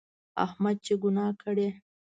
احمد چې ګناه کړي،